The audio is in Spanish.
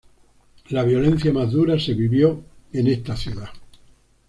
La violencia más dura se vivió en esta ciudad...